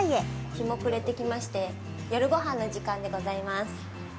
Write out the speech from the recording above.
日も暮れてきまして、夜ごはんの時間でございます。